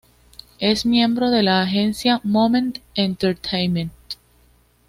Es miembro de la agencia Moment Entertainment.